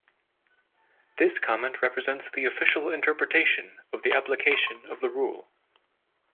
This comment represents the official interpretation of the application of the rule.